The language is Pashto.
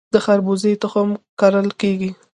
د خربوزې تخم کرل کیږي؟